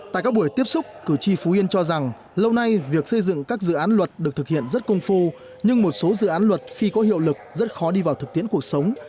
tại các buổi tiếp xúc cử tri phú yên cho rằng lâu nay việc xây dựng các dự án luật được thực hiện rất công phu nhưng một số dự án luật khi có hiệu lực rất khó đi vào thực tiễn cuộc sống